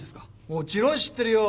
もちろん知ってるよ